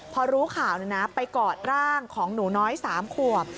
พอรู้ข่าวไปกอดร่างของหนูน้อย๓ขวบ